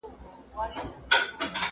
زه هره ورځ شګه پاکوم!!